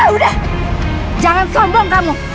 udah jangan sombong kamu